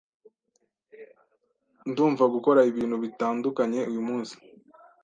Ndumva gukora ibintu bitandukanye uyu munsi.